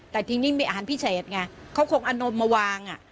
แต่ทีนี้มีอาหารพิเศษไงเขาคงเอานมมาวาง